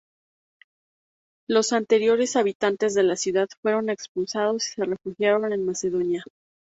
Los anteriores habitantes de la ciudad fueron expulsados y se refugiaron en Macedonia.